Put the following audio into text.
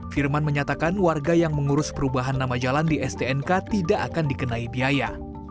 firman menyatakan warga yang mengurus perubahan nama jalan di stnk tidak akan dikenai biaya